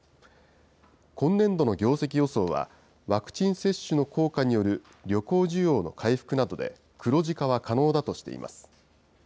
今年度の業績予想は、ワクチン接種の効果による旅行需要の回復などで、黒字化は可能だとしています。